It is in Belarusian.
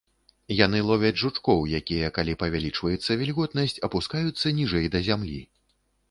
Яны ловяць жучкоў, якія, калі павялічваецца вільготнасць, апускаюцца ніжэй да зямлі.